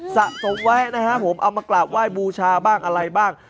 สะสมไว้นะครับผมเอามากราบไหว้บูชาบ้างอะไรบ้าง